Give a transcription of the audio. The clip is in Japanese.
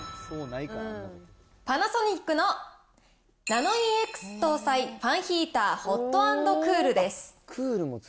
パナソニックのナノイーＸ搭載ファンヒーターＨｏｔ＆Ｃｏｏｌです。